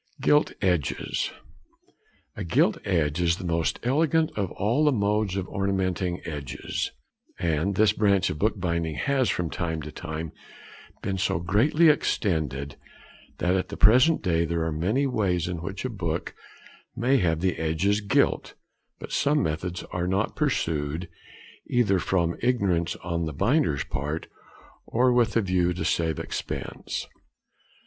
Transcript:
GILT EDGES. A gilt edge is the most elegant of all modes of ornamenting edges, and this branch of bookbinding has from time to time been so greatly extended, that at the present day there are many ways in which a book may have the edges gilt; but some methods are not pursued, either from ignorance on the binder's part, or with a view to save expense.